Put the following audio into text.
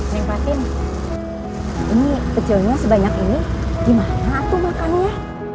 neng patin ini pecaunya sebanyak ini gimana aku makan ya